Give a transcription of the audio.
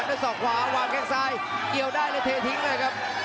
ด้วยส่องขวาวางแก้งซ้ายเกี่ยวได้เลยเททิ้งเลยครับ